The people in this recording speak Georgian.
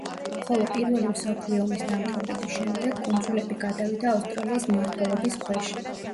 ხოლო პირველი მსოფლიო ომის დამთავრების შემდეგ კუნძულები გადავიდა ავსტრალიის მმართველობის ქვეშ.